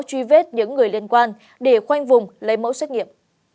truy vết những người liên quan để khoanh vùng lấy mẫu xét nghiệm